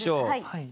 はい。